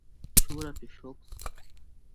শুভ রাত্রি, সোকস।